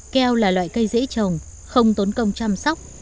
keo là loại cây dễ trồng không tốn công chăm sóc